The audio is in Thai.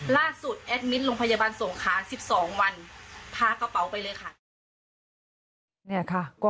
แอดมิตรโรงพยาบาลสงคราน๑๒วันพากระเป๋าไปเลยค่ะ